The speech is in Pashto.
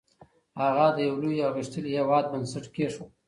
هغه د یو لوی او غښتلي هېواد بنسټ کېښود.